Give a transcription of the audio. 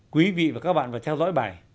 quý vị và các bạn phải theo dõi bài